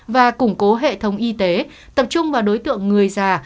và củng cố hệ thống y tế tập trung vào đối tượng người già